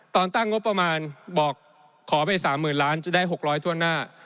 ตอนตั้งงบประมาณบอกขอไป๓๐๐๐๐๐๐๐บาทจะได้๖๐๐บาททั่วหน้า